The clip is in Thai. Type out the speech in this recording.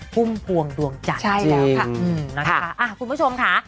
ภุ่มภวงดวงจันทร์ใช่แล้วค่ะอืมน่ะค่ะอ่ะคุณผู้ชมค่ะ